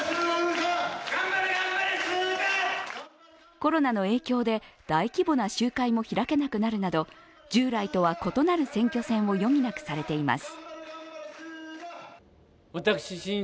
コロナの影響で大規模な集会も開けなくなるなど従来とは異なる選挙戦を余儀なくされています。